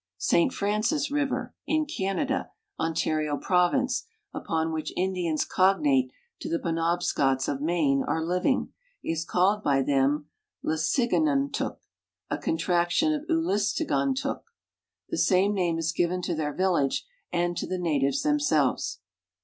St Francis river, in Canada, Ontario province, upon which Indians cognate to the Penobscots of Maine are living, is called by them Lesigantuk, a contraction of Ulastigan tuk. The same name is given to their village and to the natives themselves.